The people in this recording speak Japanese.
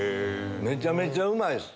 めちゃめちゃうまいです！